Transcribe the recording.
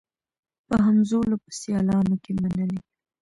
په همزولو په سیالانو کي منلې